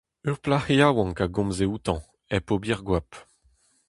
Ur plac'h yaouank a gomze outañ hep ober goap.